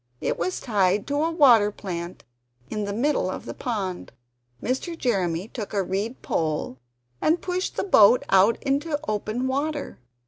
It was tied to a water plant in the middle of the pond. Mr. Jeremy took a reed pole, and pushed the boat out into open water.